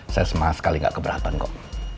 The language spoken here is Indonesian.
saya sama sekali nggak keberatan kok